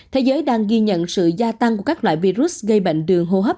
thế giới đang ghi nhận sự gia tăng của các loại virus gây bệnh đường hô hấp